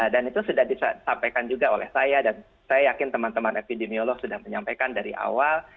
dan itu sudah disampaikan juga oleh saya dan saya yakin teman teman epidemiolog sudah menyampaikan dari awal